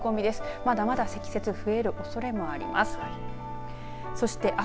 まだまだ積雪が増えるおそれもあります。